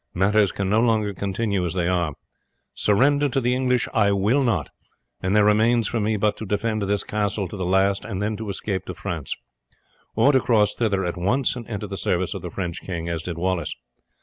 Matters can no longer continue as they are. Surrender to the English I will not, and there remains for me but to defend this castle to the last, and then to escape to France; or to cross thither at once, and enter the service of the French king, as did Wallace.